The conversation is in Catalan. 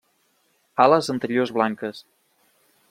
Ales anteriors blanques.